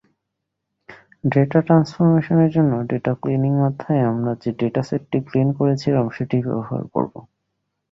Data ট্রান্সফরমেশনের জন্য data cleaning অধ্যায়ে আমরা যে ডেটাসেটটি ক্লিন করেছিলাম সেটিই ব্যবহার করবো।